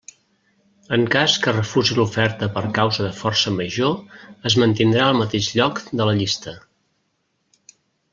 En cas que refusi l'oferta per causa de força major es mantindrà al mateix lloc de la llista.